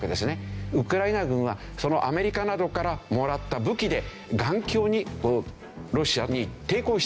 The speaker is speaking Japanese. ウクライナ軍はそのアメリカなどからもらった武器で頑強にロシアに抵抗している。